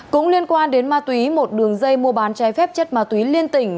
cũng liên quan đến ma túy một đường dây mua bán trái phép chất ma túy liên tỉnh